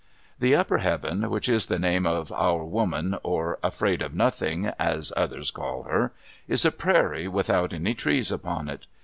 The upper heaven, which is the home of "Our Woman," or Afraid of Nothing, as others call her, is a prairie without any trees upon it.